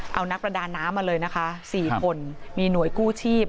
เอานักประดาน้ำมาเลยนะคะ๔คนมีหน่วยกู้ชีพ